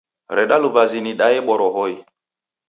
Rede luw'azi nidaye borohoi.